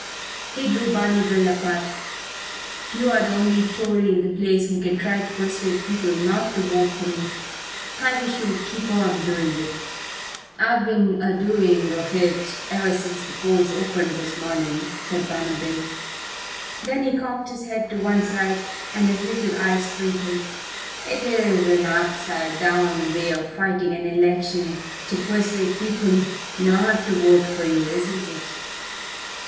He drew Barney Bill apart. "You're the only Tory in the place who can try to persuade people not to vote for me. I wish you would keep on doing it." "I've been a doing of it ever since the polls opened this morning," said Barney Bill. Then he cocked his head on one side and his little eyes twinkled: "It's an upside down way of fighting an election to persuade people not to vote for you, isn't it?"